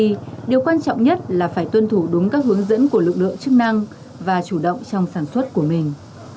vì điều quan trọng nhất là phải tuân thủ đúng các hướng dẫn của lực lượng chức năng và chủ động trong sản xuất của mình